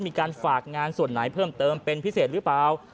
มีการฝากงานส่วนไหนเพิ่มเติมเป็นพิเศษหรือเปล่า